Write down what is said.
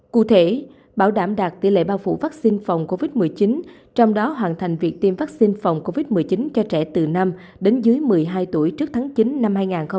cụ thể bảo đảm đạt tỷ lệ bao phủ vaccine phòng covid một mươi chín trong đó hoàn thành việc tiêm vaccine phòng covid một mươi chín cho trẻ từ năm đến dưới một mươi hai tuổi trước tháng chín năm hai nghìn hai mươi